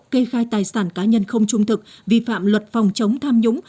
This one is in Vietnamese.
kê khai tài sản cá nhân không trung thực vi phạm luật phòng chống tham nhũng